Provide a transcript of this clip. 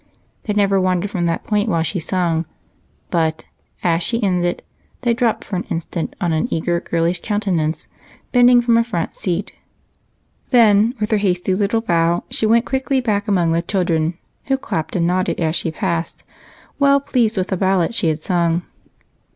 They never wandered from that point while she sang, but as she ended they dropped for an instant on an eager, girlish countenance bending from a front seat; then, with her hasty little bow, she went quickly back among the children, who clapped and nodded as she passed, well pleased with the ballad she had sung.